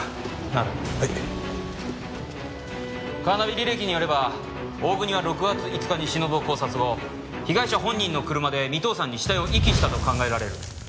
カーナビ履歴によれば大國は６月５日にしのぶを絞殺後被害者本人の車で三頭山に死体を遺棄したと考えられる。